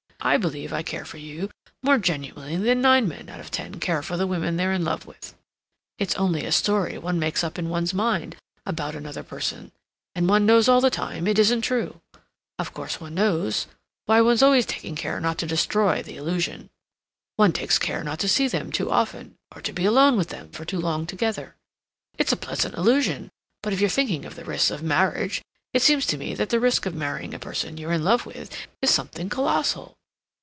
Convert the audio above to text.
I believe I care for you more genuinely than nine men out of ten care for the women they're in love with. It's only a story one makes up in one's mind about another person, and one knows all the time it isn't true. Of course one knows; why, one's always taking care not to destroy the illusion. One takes care not to see them too often, or to be alone with them for too long together. It's a pleasant illusion, but if you're thinking of the risks of marriage, it seems to me that the risk of marrying a person you're in love with is something colossal."